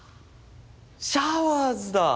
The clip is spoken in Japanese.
シャワーズだ。